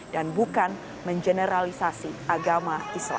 dan bukan mengeneralisasi agama